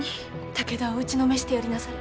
武田を打ちのめしてやりなされ。